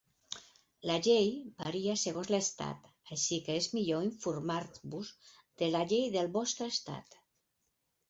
La llei varia segons l'estat, així que és millor informar-vos de la llei del vostre estat.